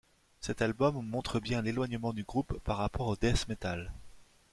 Cet album montre bien l'éloignement du groupe par rapport au death metal.